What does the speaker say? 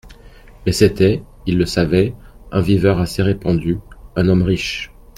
Mais c'était, il le savait, un viveur assez répandu, un homme riche.